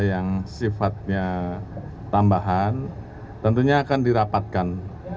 yang sifatnya tambahan tentunya akan dirapatkan